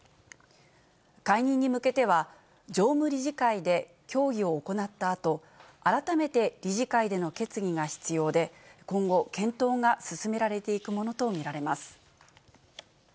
解任に向けては、常務理事会で協議を行ったあと、改めて理事会での決議が必要で、今後、検討が進められていくものと見られます。